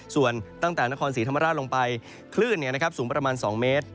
ส่วนตั้งแต่นครศรีธรรมราชลงไปคลื่นสูงประมาณ๒เมตร